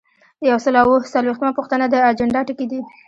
یو سل او اووه څلویښتمه پوښتنه د اجنډا ټکي دي.